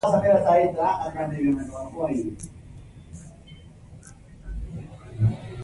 شاه محمود به هر وخت په حرکت کې وي.